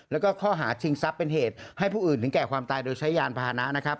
แล้วก็ข้อหาชิงทรัพย์เป็นเหตุให้ผู้อื่นถึงแก่ความตายโดยใช้ยานพาหนะนะครับ